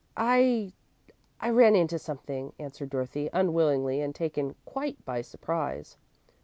"I I ran into something," answered Dorothy, unwillingly, and taken quite by surprise.